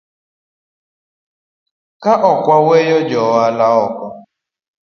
Ka ok waweyo joohala oko